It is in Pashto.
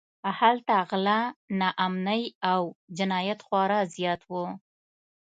هلته غلا، ناامنۍ او جنایت خورا زیات و.